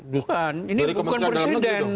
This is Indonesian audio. bukan ini bukan presiden